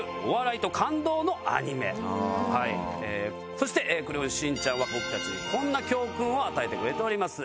そして『クレヨンしんちゃん』は僕たちにこんな教訓を与えてくれております。